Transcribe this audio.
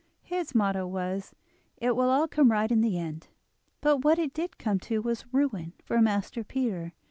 His motto was: "It will all come right in the end"; but what it did come to was ruin for Master Peter.